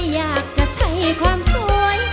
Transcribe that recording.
อยากจะใช้ความสวย